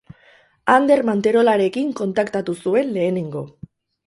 Ander Manterolarekin kontaktatu zuen lehenengo.